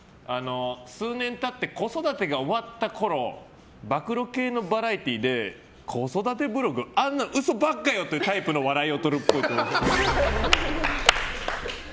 数年経って子育てが終わったころ暴露系のバラエティーで子育てブログあんなの嘘ばっかよ！というタイプの笑いをとるっぽい。